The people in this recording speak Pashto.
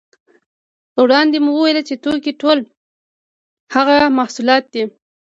وړاندې مو وویل چې توکي ټول هغه محصولات دي